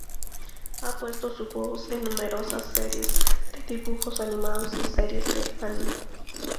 Ha puesto su voz en numerosas series de dibujos animados y series de anime.